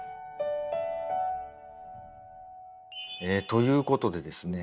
ということでですね